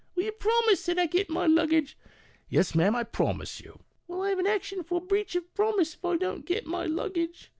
Eat Lady. " Will you promise that I get my luggage ?" Porter. " Yes, ma'am, I promise you " Eat Lady. "Well, I'll have an action for breach of promise if I don't get my luggage."